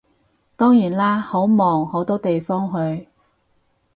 當然啦，好忙好多地方去